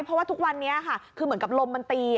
เพราะว่าทุกวันนี้ค่ะคือเหมือนกับลมมันตี